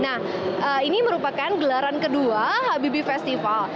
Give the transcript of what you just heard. nah ini merupakan gelaran kedua habibi festival